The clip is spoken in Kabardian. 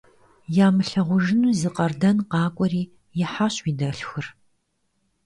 Ямылъагъужыну зы къардэн къакӀуэри, ихьащ уи дэлъхур.